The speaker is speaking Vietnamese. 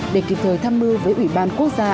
để kịp thời tham mưu với ủy ban quốc gia